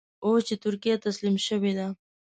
اوس چې ترکیه تسليم شوې ده.